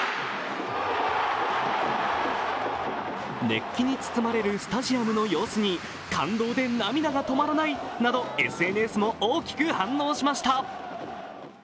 熱気に包まれるスタジアムの様子に感動で涙が止まらない！などＳＮＳも大きく反応しました。